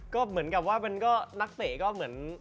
ก็เหมือนกับว่านักเตะก็เหมือน